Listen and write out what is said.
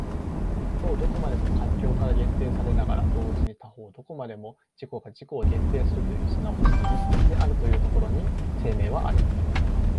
一方どこまでも環境から限定されながら同時に他方どこまでも自己が自己を限定するという即ち自律的であるというところに生命はある。